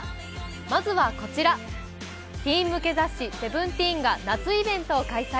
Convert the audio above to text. まずはこちら、ティーン向け雑誌「Ｓｅｖｅｎｔｅｅｎ」が夏イベントを開催。